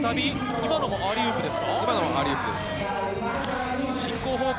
今のもアーリーウープです。